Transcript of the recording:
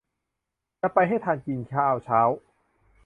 จะไปให้ทันกินข้าวเช้า